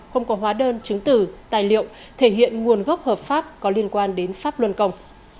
không có hóa đơn chứng tử tài liệu thể hiện nguồn gốc hợp pháp có liên quan đến pháp luân công